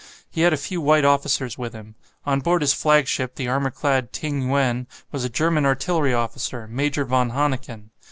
He had a few white officers with him. On board his flagship, the armour clad "Ting yuen" was a German artillery officer, Major von Hanneken.